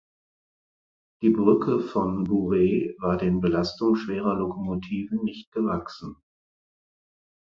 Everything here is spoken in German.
Die Brücke von Bourret war den Belastungen schwerer Lokomotiven nicht gewachsen.